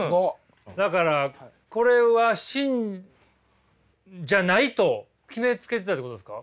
だからこれは芯じゃないと決めつけてたってことですか？